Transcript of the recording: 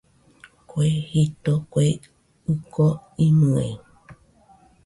Kue jito, kue ɨko imɨe